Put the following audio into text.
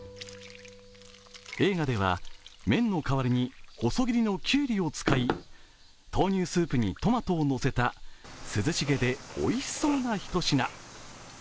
映画では、麺の代わりに細切りのきゅうりを使い豆乳スープにトマトをのせた涼しげでおいしそうなひと品。